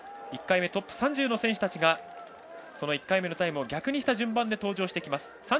１回目トップ３０の選手たちが１回目のタイムを逆にした順番で登場してきます。